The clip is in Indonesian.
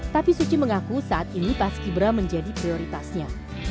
tapi suci mengaku saat ini pas kibra menjadi prioritasnya